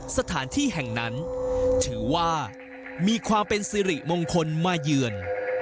สถานที่แห่งนั้นถือว่ามีความเป็นสิริมงคลมาเยือน